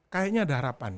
kayaknya ada harapan